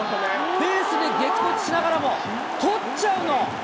フェンスに激突しながらも捕っちゃうの。